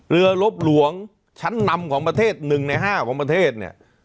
เรือลบหลวงชั้นนำของประเทศหนึ่งในห้าของประเทศเนี่ย